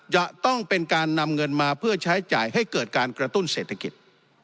จะต้องเป็นการนำเงินมาเพื่อใช้จ่ายให้เกิดการกระตุ้นเศรษฐกิจ